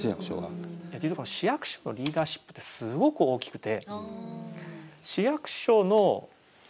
実は市役所のリーダーシップってすごく大きくて。